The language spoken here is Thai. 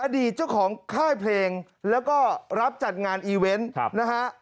อดีตเจ้าของค่ายเพลงแล้วก็รับจัดงานอีเวนต์นะฮะ